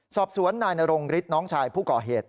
สอบสวนนายนรงฤทธิ์น้องชายผู้ก่อเหตุ